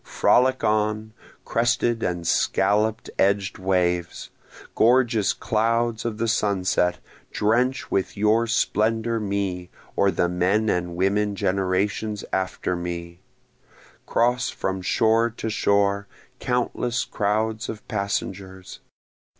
Frolic on, crested and scallop edg'd waves! Gorgeous clouds of the sunset! drench with your splendor me, or the men and women generations after me! Cross from shore to shore, countless crowds of passengers!